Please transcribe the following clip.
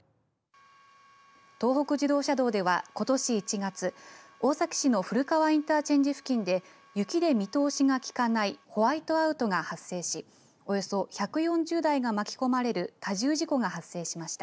東北自動車道では、ことし１月大崎市の古川インターチェンジ付近で雪で見通しがきかないホワイトアウトが発生しおよそ１４０台が巻き込まれる多重事故が発生しました。